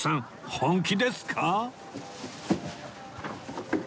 本気ですか？